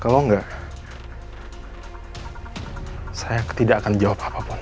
kalau enggak saya tidak akan jawab apapun